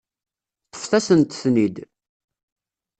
Ṭṭfet-asent-ten-id.